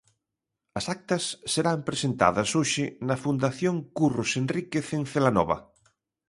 As actas serán presentadas hoxe na Fundación Curros Enríquez en Celanova.